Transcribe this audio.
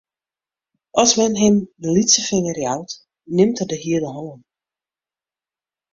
As men him de lytse finger jout, nimt er de hiele hân.